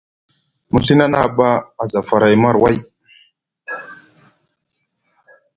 Mu Ɵina na ɓa aza faray marway.